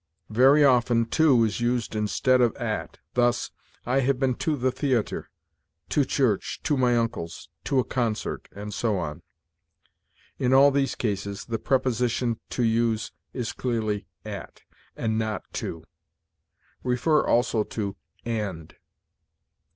Very often to is used instead of at; thus, "I have been to the theatre, to church, to my uncle's, to a concert," and so on. In all these cases, the preposition to use is clearly at, and not to. See, also, AND.